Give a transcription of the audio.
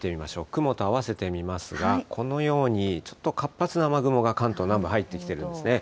雲とあわせて見ますが、このように、ちょっと活発な雨雲が関東南部入ってきているんですね。